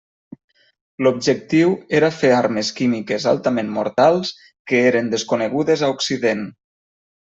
L'objectiu era fer armes químiques altament mortals que eren desconegudes a Occident.